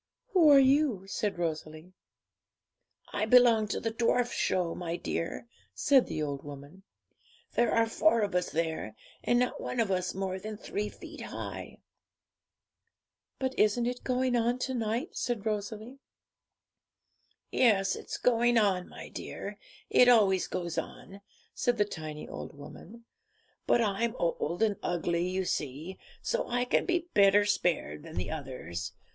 'Who are you?' said Rosalie. 'I belong to the Dwarf Show, my dear,' said the old woman. 'There are four of us there, and not one of us more than three feet high.' 'But isn't it going on to night?' said Rosalie. 'Yes, it's going on, my dear; it always goes on,' said the tiny old woman; but I'm old and ugly, you see, so I can be better spared than the others.